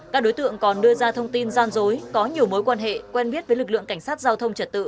các đối tượng còn đưa ra thông tin gian dối có nhiều mối quan hệ quen biết với lực lượng cảnh sát giao thông trật tự